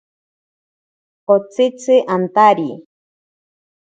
Otsitzi antari.